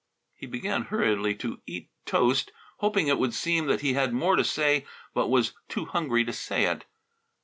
He began hurriedly to eat toast, hoping it would seem that he had more to say but was too hungry to say it.